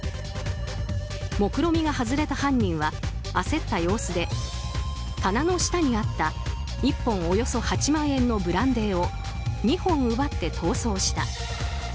目論見が外れた犯人は焦った様子で棚の下にあった１本およそ８万円のブランデーを２本奪って逃走した。